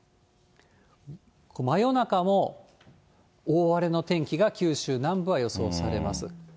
真夜中も大荒れの天気が、九州南部は予想されます。